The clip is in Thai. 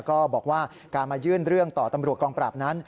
ก็บอกว่าการมายื่นเรื่องต่อตำรวจกองปราบนั้น